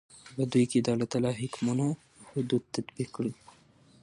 او په دوى كې دالله تعالى حكمونه او حدود تطبيق كړي .